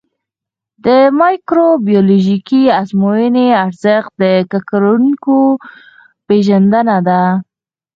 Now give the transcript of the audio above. د مایکروبیولوژیکي ازموینې ارزښت د ککړونکو پېژندنه ده.